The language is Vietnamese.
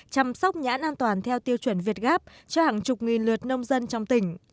chăm sóc nhãn an toàn theo tiêu chuẩn việt gáp cho hàng chục nghìn lượt nông dân trong tỉnh